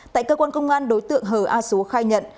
tại cơ quan công an đối tượng hờ a xúa khai nhận